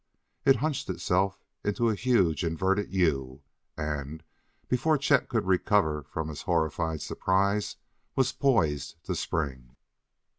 It hunched itself into a huge inverted U and, before Chet could recover from his horrified surprise, was poised to spring.